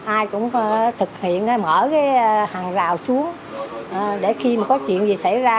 ai cũng thực hiện mở cái hàng rào xuống để khi mà có chuyện gì xảy ra